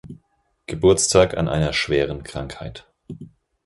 Geburtstag an einer schweren Krankheit.